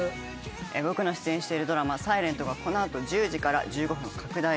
僕の出演しているドラマ『ｓｉｌｅｎｔ』がこの後１０時から１５分拡大で放送します。